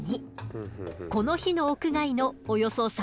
この日の屋外のおよそ３％。